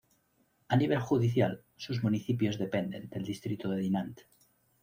A nivel judicial, sus municipios dependen del distrito de Dinant.